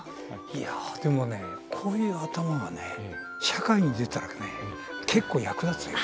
いや、でもこういう頭がね、社会に出たら結構役立つよ。